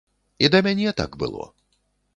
І да мяне так было.